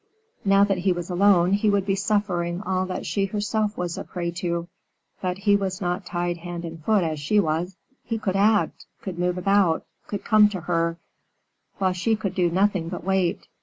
Now that he was alone, he would be suffering all that she herself was a prey to. But he was not tied hand and foot as she was; he could act, could move about, could come to her, while she could do nothing but wait.